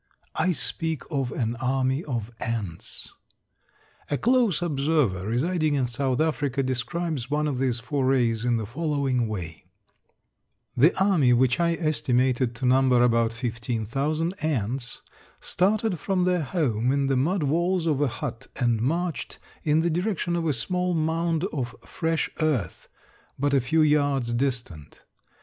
I speak of an army of ants. A close observer, residing in South Africa, describes one of these forays in the following way: "The army, which I estimated to number about fifteen thousand ants, started from their home in the mud walls of a hut and marched in the direction of a small mound of fresh earth, but a few yards distant.